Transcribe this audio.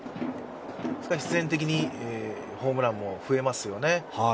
必然的にホームランも増えますよね。